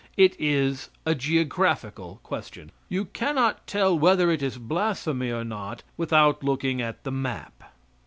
It is a geographical question; you cannot tell whether it is blasphemy or not without looking at the map.